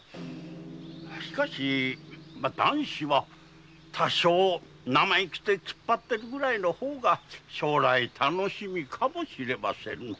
しかし男子は多少生意気で突っ張っているくらいの方が将来楽しみかもしれませんな。